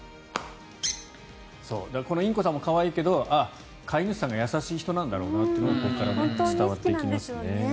このインコさんも可愛いけど飼い主さんが優しい人なんだろうとここから伝わってきますね。